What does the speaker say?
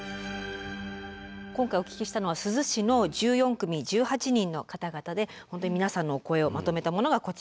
今回お聞きしたのは珠洲市の１４組１８人の方々で本当に皆さんのお声をまとめたものがこちらになります。